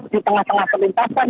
di tengah tengah perlintasan